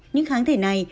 những kháng thể này